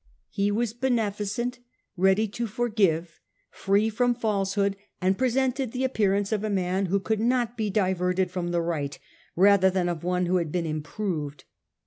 He was beneficent, ready to forgive, free from falsehood, and presented the appearance of a man who could not be diverted from the right, rather than of one who had been improved.